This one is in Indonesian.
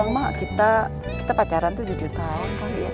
lama kita pacaran tujuh jutaan